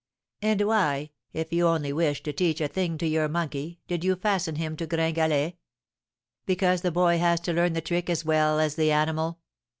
And why, if you only wished to teach a thing to your monkey, did you fasten him to Gringalet?' 'Because the boy has to learn the trick as well as the animal.